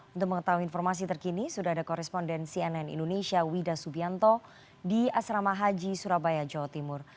untuk mengetahui informasi terkini sudah ada koresponden cnn indonesia wida subianto di asrama haji surabaya jawa timur